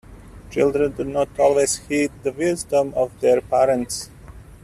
Children do not always heed the wisdom of their parents.